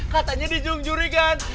katanya dijung juri kan